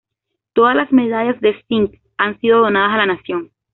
Todas las medallas de Singh han sido donadas a la nación.